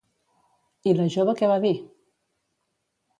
I la jove què va dir?